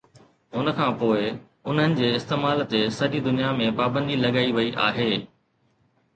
ان کان پوء، انهن جي استعمال تي سڄي دنيا ۾ پابندي لڳائي وئي آهي